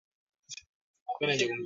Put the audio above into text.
Aliimba nyimbo kuhusu nyangumi na askari